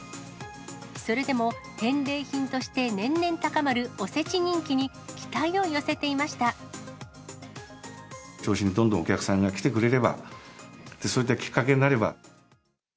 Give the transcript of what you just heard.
それでも返礼品として年々高まるおせち人気に期待を寄せていまし銚子にどんどんお客さんが来てくれれば、そういったきっかけになれば。